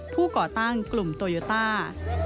ก่อตั้งกลุ่มโตโยต้า